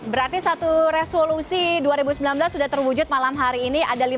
berarti satu resolusi dua ribu sembilan belas sudah terwujud malam hari ini ada lima ratus lima puluh tujuh